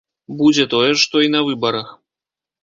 Будзе тое ж, што і на выбарах.